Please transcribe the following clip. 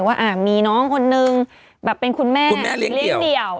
ว่ามีน้องคนนึงแบบเป็นคุณแม่เลี้ยงเดี่ยว